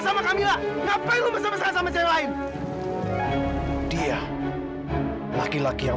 sampai rumah lu bersama sama sama si lain